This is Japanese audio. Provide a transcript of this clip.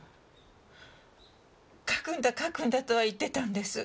書くんだ書くんだとは言ってたんです。